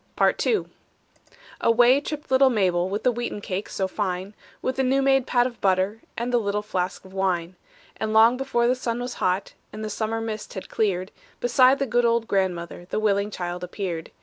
PART II Away tripped little Mabel, With the wheaten cake so fine, With the new made pat of butter, And the little flask of wine. And long before the sun was hot, And the summer mist had cleared, Beside the good old grandmother The willing child appeared.